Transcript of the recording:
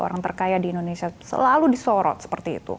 orang terkaya di indonesia selalu disorot seperti itu